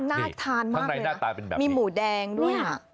น่าทานมากเลยอ่ะมีหมูแดงด้วยหรอ